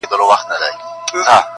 ځو کوم ولایت ته چې څو ورځي ژوند وکړو.